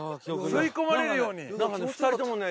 吸い込まれるように。